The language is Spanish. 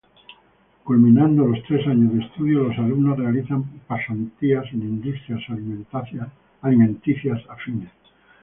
Culminando los tres años de estudios, los alumnos realizan pasantías en Industrias Alimenticias Afines.